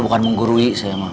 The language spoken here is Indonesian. bukan menggurui saya mah